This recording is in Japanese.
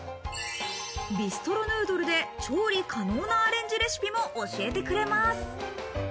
ビストロヌードルで調理可能なアレンジレシピを教えてくれます。